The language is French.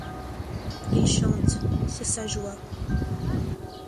Il chante, c’est sa joie.